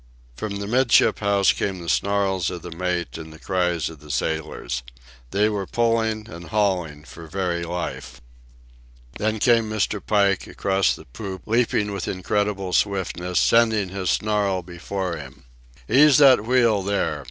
From the 'midship house came the snarls of the mate and the cries of the sailors. They were pulling and hauling for very life. Then came Mr. Pike, across the poop, leaping with incredible swiftness, sending his snarl before him. "Ease that wheel there!